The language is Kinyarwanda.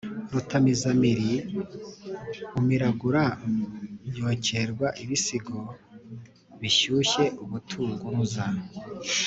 Rutamizabiri umiragura yokerwa ibisogi bishyushye ubutunguruza